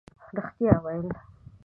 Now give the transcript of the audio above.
رښتیا ویل